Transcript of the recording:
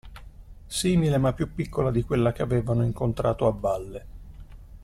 Simile, ma più piccola, di quella che avevano incontrato a valle.